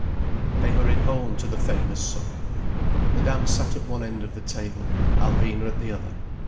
They hurried home to the famous supper. Madame sat at one end of the table, Alvina at the other.